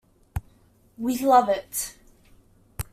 We love it.